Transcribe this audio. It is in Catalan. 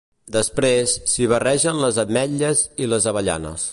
Després, s'hi barregen les ametlles i les avellanes.